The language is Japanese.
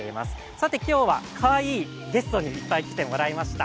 さて今日はかわいいゲストにいっぱい来てもらいました。